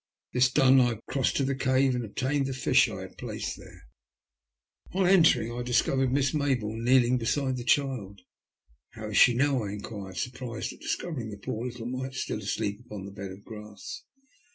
This done, I crossed to the cave to obtain the fish I had placed there. THE SALVAGES. 168 On entering, I discovered Miss Mayboume kneeling beside the child. *' How is she now ?" I enquired, surprised at dis covering the poor little mite still asleep upon the bed of grass.